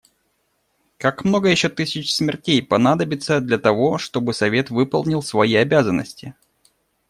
Как много еще тысяч смертей понадобится для того, чтобы Совет выполнил свои обязанности?